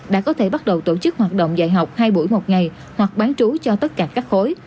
đã có thể bắt đầu tổ chức hoạt động dạy học hai buổi một ngày hoặc bán trú cho tất cả các khối